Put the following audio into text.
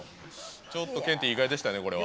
ちょっとケンティー意外でしたね、これは。